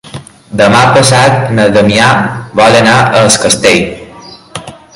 Demà passat na Damià vol anar a Es Castell.